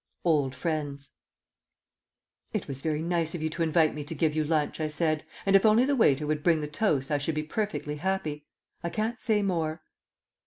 OLD FRIENDS "It was very nice of you to invite me to give you lunch," I said, "and if only the waiter would bring the toast I should be perfectly happy. I can't say more."